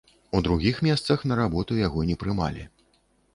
У другіх месцах на работу яго не прымалі.